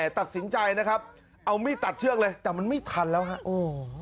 ถ้าถาม้ายังไหวตัดสินใจนะครับเอามีตัดเชือกเลยแต่มันไม่ทันแล้วฮะโอ้